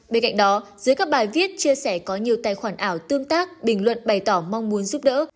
bên cạnh đó dưới các bài viết chia sẻ có nhiều tài khoản ảo tương tác bình luận bày tỏ mong muốn giúp đỡ